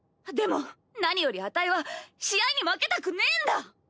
でも何よりあたいは試合に負けたくねぇんだ！